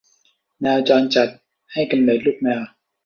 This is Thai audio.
แมวจรจัดให้กำเนิดลูกแมว